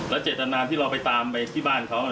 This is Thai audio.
เจตนาที่เราไปตามไปที่บ้านเขา